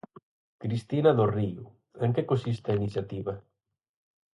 Cristina Dorrío, en que consiste a iniciativa?